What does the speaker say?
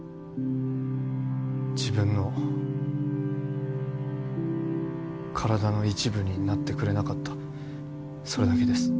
自分の体の一部になってくれなかったそれだけです